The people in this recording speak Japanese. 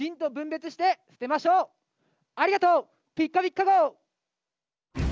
ありがとうピッカピッカ号！